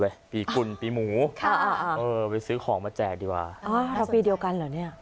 อ๋อหมูสองตัวอยู่ด้วยกัน